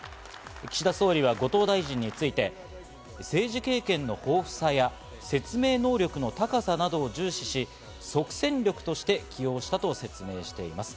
岸田総理は後藤大臣について政治経験の豊富さや説明能力の高さなどを重視し、即戦力として起用したと説明しています。